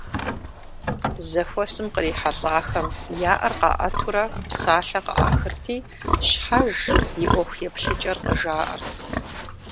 Зэхуэсым кърихьэлӀахэм я Ӏэр къаӀэтурэ псалъэ къыӀахырти щхьэж и ӀуэхуеплъыкӀэр къыжаӀэрт.